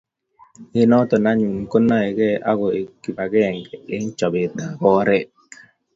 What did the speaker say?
eng' notok anyun ko naegei akoek kibagenge eng' chobet ab oret